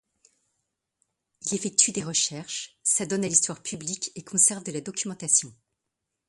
Il effectue des recherches, s'adonne à l'histoire publique et conserve de la documentation.